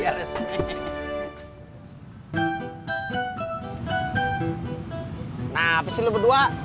nah apa sih lo berdua